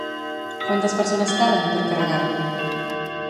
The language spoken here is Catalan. Quantes persones calen per carregar-lo?